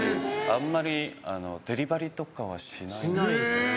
あんまりデリバリーとかはしないですね。